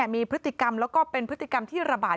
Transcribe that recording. มีพฤติกรรมแล้วก็เป็นพฤติกรรมที่ระบาด